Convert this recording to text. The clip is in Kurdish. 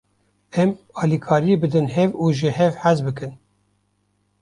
Em alîkariyê bidin hev û ji hev hez bikin.